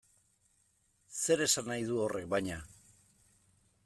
Zer esan nahi du horrek baina?